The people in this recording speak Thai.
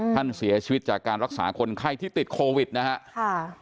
ท่านเสียชีวิตจากการรักษาคนไข้ที่ติดโควิดนะครับ